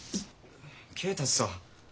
恵達さぁ。